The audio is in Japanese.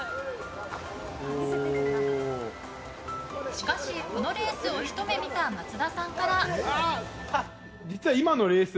しかし、このレースをひと目見た松田さんから。